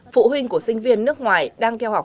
phụ huynh của sinh viên nước ngoài đang theo học